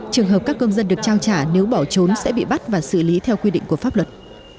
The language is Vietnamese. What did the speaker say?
trường hợp các công dân được trao trả nếu bỏ trốn sẽ bị bắt và xử lý theo quy định của pháp luật